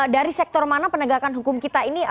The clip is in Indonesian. dari sektor mana penegakan hukum kita ini